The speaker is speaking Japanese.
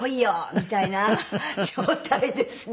みたいな状態ですね